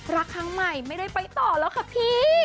รักครั้งใหม่ไม่ได้ไปต่อแล้วค่ะพี่